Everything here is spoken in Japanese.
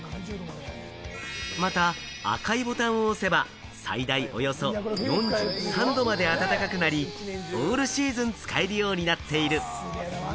また赤いボタンを押せば、最大およそ４３度まで温かくなり、オールシーズン使えるようになっている。